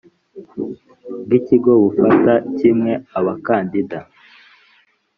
Bw ikigo bufata kimwe abakandida